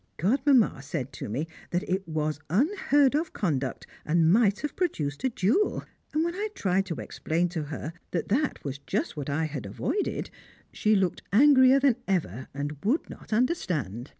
Godmamma said to me that it was unheard of conduct, and might have produced a duel, and when I tried to explain to her that that was just what I had avoided, she looked angrier than ever, and would not understand.